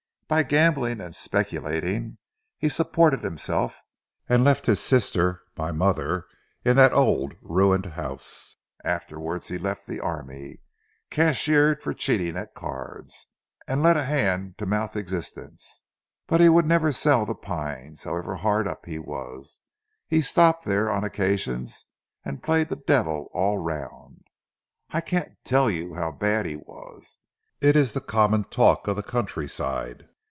By gambling and speculating he supported himself, and left his sister, my mother, in that old ruined house. Afterwards he left the army cashiered for cheating at cards, and led a hand to mouth existence. But he would never sell 'The Pines,' however hard up he was. He stopped there on occasions, and played the devil all round. I can't tell you how bad he was. It is the common talk of the countryside.